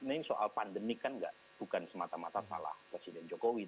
ini soal pandemi kan bukan semata mata salah presiden jokowi